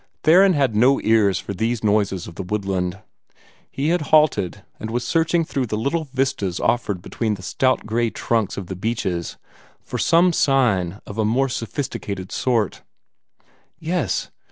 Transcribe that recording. Theron had no ears for these noises of the woodland. He had halted, and was searching through the little vistas offered between the stout gray trunks of the beeches for some sign of a more sophisticated sort. Yes!